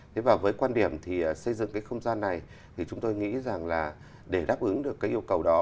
thế và với quan điểm thì xây dựng cái không gian này thì chúng tôi nghĩ rằng là để đáp ứng được cái yêu cầu đó